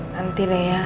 nanti deh ya